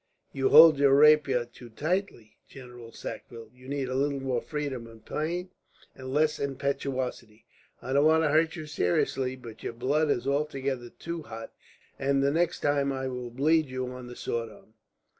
"You hold your rapier too tightly, General Sackville. You need a little more freedom of play, and less impetuosity. I don't want to hurt you seriously, but your blood is altogether too hot, and next time I will bleed you on the sword arm."